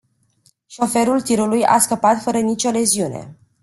Șoferul tirului a scăpat fără nicio leziune.